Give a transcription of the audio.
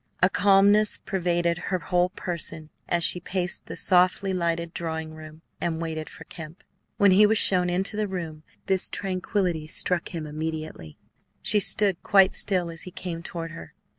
A calmness pervaded her whole person as she paced the softly lighted drawing room and waited for Kemp. When he was shown into the room, this tranquillity struck him immediately. She stood quite still as he came toward her.